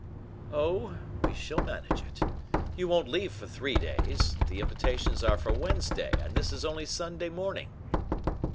"Oh, we shall manage it. You won't leave for three days. The invitations are for Wednesday, and this is only Sunday morning."